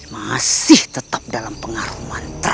masih tetap dalam pengaruh mantap